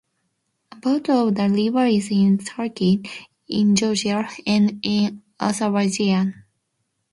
About of the river is in Turkey, in Georgia, and in Azerbaijan.